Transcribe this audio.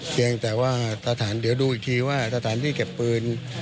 เพียงแต่ว่าสถานเดี๋ยวดูอีกทีว่าสถานที่เก็บปืน